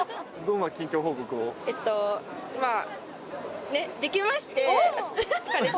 えっとまぁ。